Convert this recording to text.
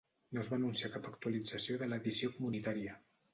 No es va anunciar cap actualització de l'edició comunitària.